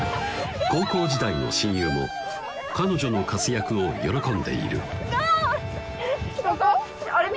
高校時代の親友も彼女の活躍を喜んでいるどれ？